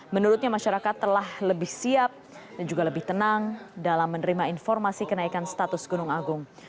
menurutnya masyarakat telah lebih siap dan juga lebih tenang dalam menerima informasi kenaikan status gunung agung